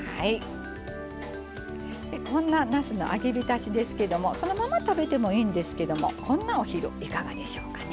こんななすの揚げびたしですけどもそのまま食べてもいいんですけどもこんなお昼いかがでしょうかね。